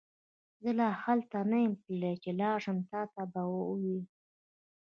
زه لا هلته نه يم تللی چې لاړشم تا ته به وويم